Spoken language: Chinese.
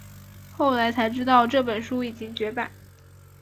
后来才知道这本书已经绝版